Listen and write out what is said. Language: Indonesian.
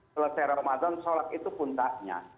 selesai ramadan sholat itu puntahnya